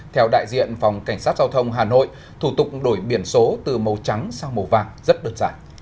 theo đại diện phòng cảnh sát giao thông hà nội thủ tục đổi biển số từ màu trắng sang màu vàng rất đơn giản